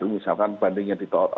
misalkan bandingnya ditolak